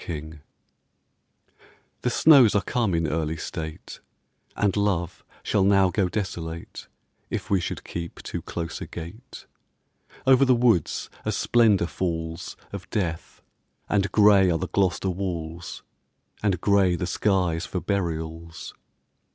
PLOUGH The snows are come in early state, And love shall now go desolate If we should keep too close a gate. Over the woods a splendour falls Of death, and grey are the Gloucester walls, And grey the skies for burials.